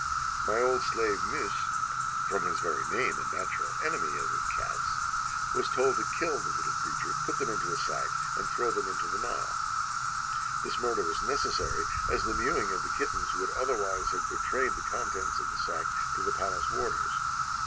My old slave Mils, from his very name a natural enemy of cats, was told to kill the Uttle creatures, put them into a sack and throw them into the Nile. "This murder was necessary, as the mewing of the kittens would otherwise have betrayed the contents of the sack to the palace warders.